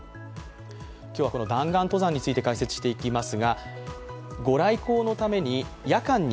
今日はこの弾丸登山について解説していきます。